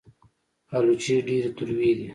الوچې ډېرې تروې دي